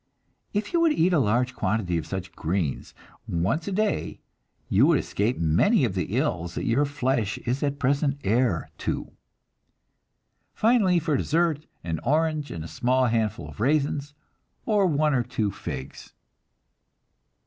If you would eat a large quantity of such "greens" once a day, you would escape many of the ills that your flesh is at present heir to. Finally, for dessert, an orange and a small handful of raisins, or one or two figs.